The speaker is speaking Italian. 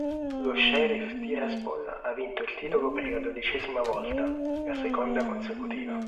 Lo Sheriff Tiraspol ha vinto il titolo per la dodicesima volta, la seconda consecutiva.